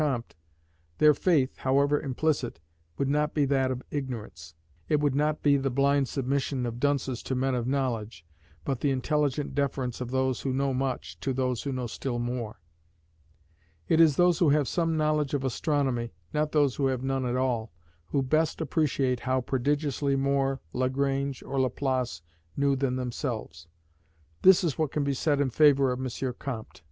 Comte, their faith, however implicit, would not be that of ignorance: it would not be the blind submission of dunces to men of knowledge, but the intelligent deference of those who know much, to those who know still more. It is those who have some knowledge of astronomy, not those who have none at all, who best appreciate how prodigiously more Lagrange or Laplace knew than themselves. This is what can be said in favour of M. Comte.